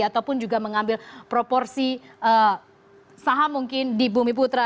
ataupun juga mengambil proporsi saham mungkin di bumi putra